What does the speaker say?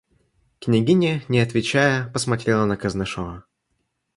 Княгиня, не отвечая, посмотрела на Кознышева.